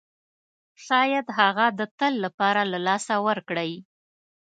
شاید هغه د تل لپاره له لاسه ورکړئ.